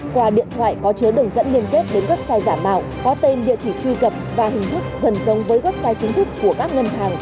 qua điện thoại có chứa đường dẫn liên kết đến website giả mạo có tên địa chỉ truy cập và hình thức gần giống với website chính thức của các ngân hàng